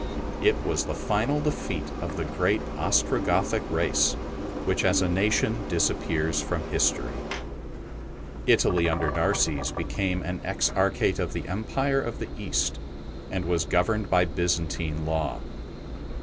It was the final defeat of the great Ostrogothic race, which as a nation disappears from history. Italy under Narses became an exarchate of the Empire of the East, and was governed by Byzantine law.